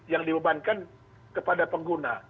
yang dibebankan kepada pengguna